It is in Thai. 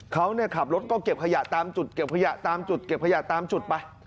เขาขับรถก็เก็บขยะตามจุดเก็บขยะตามจุดเก็บขยะตามจุดไป